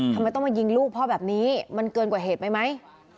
ทำไมต้องมายิงลูกพ่อแบบนี้มันเกินกว่าเหตุไหม